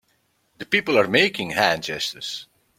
The people are making hand gestures.